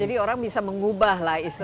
jadi orang bisa mengubah lah istilahnya